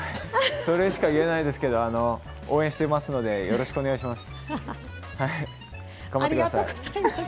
それしか言えないですけど応援していますのでよろしくお願いします。